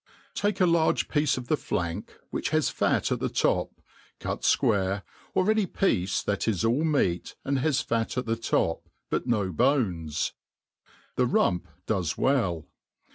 ^ TAKE a large piece of the Bank, which has fat at the top^ cut fquare, or any piece that is all aieaf^ and has fiat 4it the top^ but no banes. The rump does well.